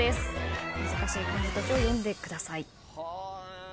難しい漢字たちを読んでください。